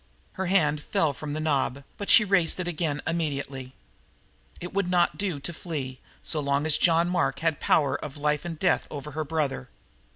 Her hand fell from the knob, but she raised it again immediately. It would not do to flee, so long as John Mark had power of life or death over her brother.